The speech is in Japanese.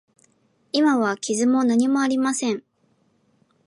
今は傷も何もありません。